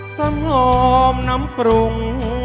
สำหอมน้ำปรุง